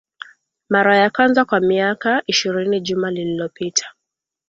mara ya kwanza kwa miaka ishirini juma lililopita